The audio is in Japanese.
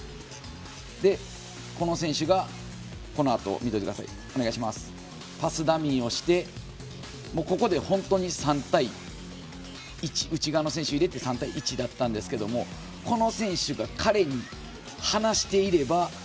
この選手が、このあとパスダミーをしてここで本当に３対１内側の選手を入れて３対１だったんですけれども南アフリカの選手がボールを離していれば。